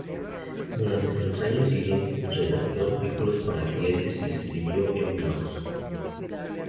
Durante los años siguientes redactó artículos para diarios y escribió en blogs.